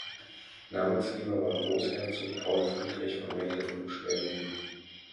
Namensgeber war Großherzog Paul Friedrich von Mecklenburg-Schwerin.